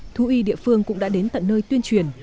thú y địa phương cũng đã đến tận nơi tuyên truyền